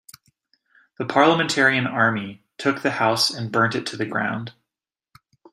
The Parliamentarian army took the house and burnt it to the ground.